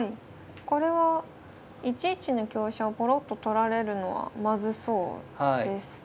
これは１一の香車をぼろっと取られるのはまずそうですけど。